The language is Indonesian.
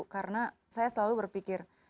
karena saya selalu berpikir